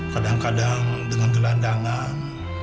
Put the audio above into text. kadang kadang dengan gelandangan